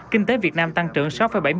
kinh tế việt nam tăng trưởng sáu bảy mươi bảy